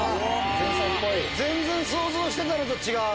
全然想像してたのと違う。